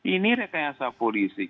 ini rekayasa polisi